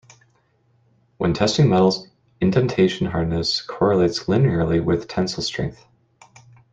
When testing metals, indentation hardness correlates linearly with tensile strength.